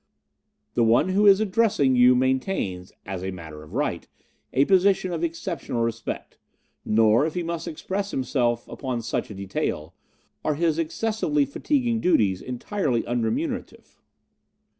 The one who is addressing you maintains, as a matter of right, a position of exceptional respect, nor, if he must express himself upon such a detail, are his excessively fatiguing duties entirely unremunerative...